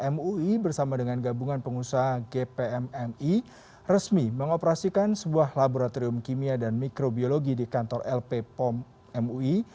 mui bersama dengan gabungan pengusaha gpmmi resmi mengoperasikan sebuah laboratorium kimia dan mikrobiologi di kantor lp pom mui